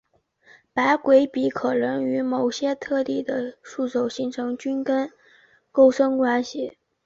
白鬼笔可能会与某些特定的树种形成菌根共生关系。